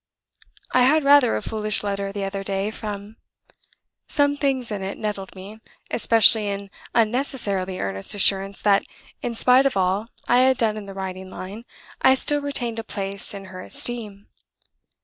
"I had rather a foolish letter the other day from . Some things in it nettled me, especially an unnecessarily earnest assurance that, in spite of all I had done in the writing line, I still retained a place in her esteem.